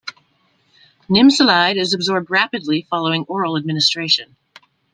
Nimesulide is absorbed rapidly following oral administration.